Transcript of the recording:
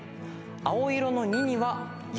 青色の２には「ユ」